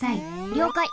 りょうかい。